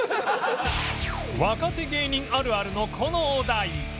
若手芸人あるあるのこのお題